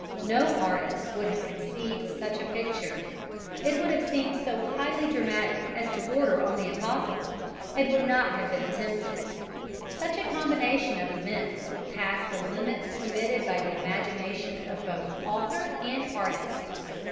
No artist would have conceived such a picture: it would have seemed so highly dramatic as to border on the impossible, and would not have been attempted. Such a combination of events would pass the limit permitted the imagination of both author and artist.